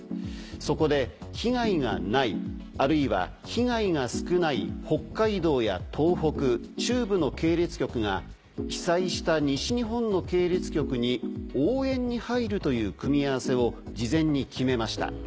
そこで被害がないあるいは被害が少ない北海道や東北中部の系列局が被災した西日本の系列局に応援に入るという組み合わせを事前に決めました。